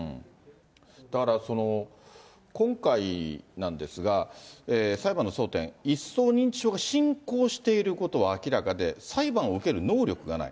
だから今回なんですが、裁判の争点、一層認知症が進行していることは明らかで、裁判を受ける能力がない。